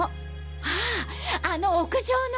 あああの屋上の。